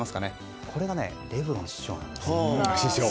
これがレブロン師匠なんですね。